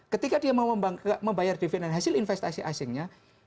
ketika dia membayar dividen hasil investasi asingnya